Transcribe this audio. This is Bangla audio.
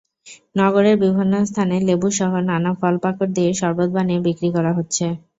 নগরের বিভিন্ন স্থানে লেবুসহ নানা ফলপাকড় দিয়ে শরবত বানিয়ে বিক্রি করা হচ্ছে।